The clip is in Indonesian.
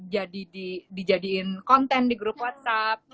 jadi dijadiin konten di grup whatsapp